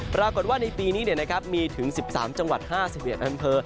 ปรากฏว่าในปีนี้มีถึง๑๓จังหวัด๕๑อำเภอ